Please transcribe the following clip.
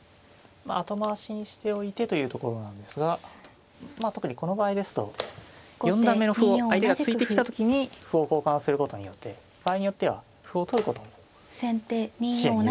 後回しにしておいてというところなんですが特にこの場合ですと四段目の歩を相手が突いてきた時に歩を交換することによって場合によっては歩を取ることも視野に入れているということですかね。